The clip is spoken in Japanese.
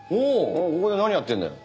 ここで何やってるんだよ？